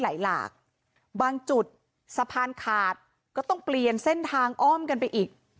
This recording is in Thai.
หลากบางจุดสะพานขาดก็ต้องเปลี่ยนเส้นทางอ้อมกันไปอีก